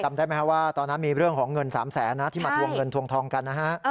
จำได้ไหมว่าตอนนั้นมีเรื่องของเงิน๓๐๐๐๐๐บาทที่มาทวงเงินทวงทองกัน